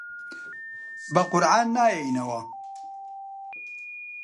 بە قورعان نایەینەوە!